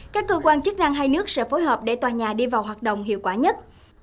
các cơ quan chức năng hai nước sẽ phối hợp để tòa nhà đi vào hoạt động hiệu quả nhất